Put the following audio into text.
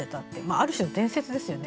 ある種の伝説ですよね。